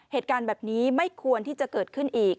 เหตุการณ์แบบนี้ไม่ควรที่จะเกิดขึ้นอีก